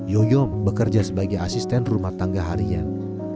yoyom bekerja sebagai asisten rumah tangga harian